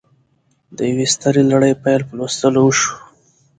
د یوې سترې لړۍ پیل په لوستلو وشو